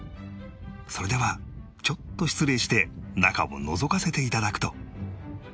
それではちょっと失礼して中をのぞかせて頂くと